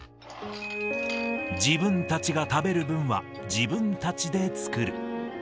自分たちが食べる分は自分たちで作る。